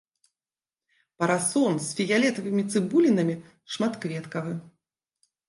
Парасон з фіялетавымі цыбулінамі, шматкветкавы.